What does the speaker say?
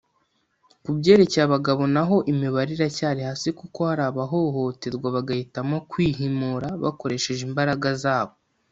Ku byerekeye abagabo naho imibare iracyari hasi kuko hari abahohoterwa bagahitamo kwihimura bakoresheje imbaraga zabo